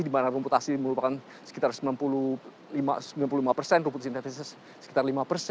di mana rumput asli merupakan sekitar sembilan puluh lima rumput sintetisnya sekitar lima